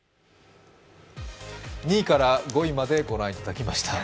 ２位から５位まで御覧いただきました。